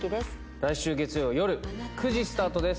来週月曜夜９時スタートです。